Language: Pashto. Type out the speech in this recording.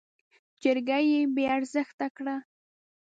جرګه يې بې ارزښته کړه.